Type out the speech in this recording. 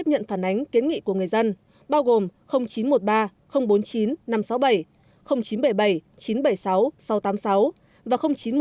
đánh kiến nghị của người dân bao gồm chín trăm một mươi ba bốn mươi chín năm trăm sáu mươi bảy chín trăm bảy mươi bảy chín trăm bảy mươi sáu sáu trăm tám mươi sáu và chín trăm một mươi ba ba trăm bảy mươi tám tám trăm một mươi sáu